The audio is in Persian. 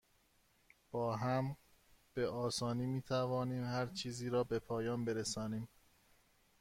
با هم، به آسانی می توانیم هرچیزی را به پایان برسانیم.